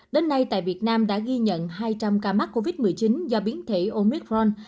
đến nay tại việt nam đã ghi nhận hai trăm linh ca mắc covid một mươi chín do biến thể omicron